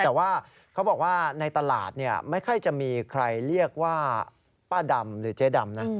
แต่ว่าเขาบอกว่าในตลาดไม่ค่อยจะมีใครเรียกว่าป้าดำหรือเจ๊ดำนะ